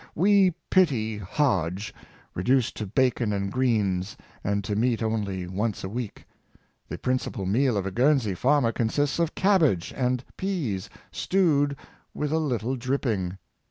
We pity Hodge, reduced to bacon and greens, and to meat only once a week. The principal meal of a Guernsey farmer consists of cabbage and pease stewed with a little dripping.